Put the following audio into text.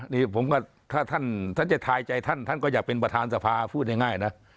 นี่ผมก็ถ้าท่านจะทายใจท่านท่านก็อยากเป็นประธานสภาพูดง่ายนะ